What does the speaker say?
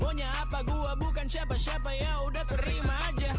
maunya apa gua bukan siapa siapa ya udah terima aja